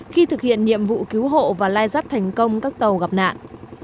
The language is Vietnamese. khi thực hiện nhiệm vụ cứu hộ và lai rắt thành công các tàu gặp nạn